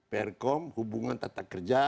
perkom hubungan tata kerja